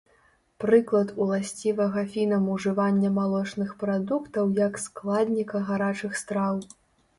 Прыклад уласцівага фінам ўжывання малочных прадуктаў як складніка гарачых страў.